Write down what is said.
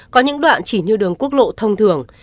có những đoạn chỉ như đường quốc lộ thông thường